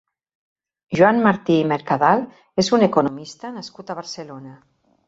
Joan Martí i Mercadal és un economista nascut a Barcelona.